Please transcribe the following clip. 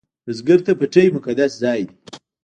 بزګر ته پټی مقدس ځای دی